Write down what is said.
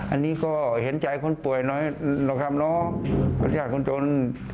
อันนี้ก็เห็นใจคนป่วยหน่อยนะครับเนาะประชาชนคนจน